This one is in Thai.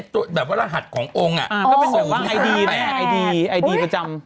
มันจะเป็นรหัสขององค์ก็เป็น๐๕๘ไอดีประจำ